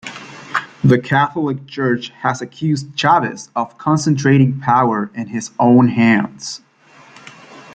The Catholic Church has accused Chavez of concentrating power in his own hands.